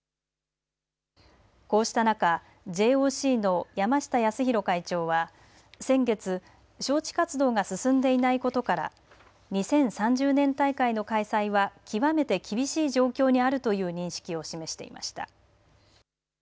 こうした中ＪＯＣの山下泰裕会長は先月、招致活動が進んでいないことから２０３０年大会の開催は極めて厳しい状況にあるという認識を示していました。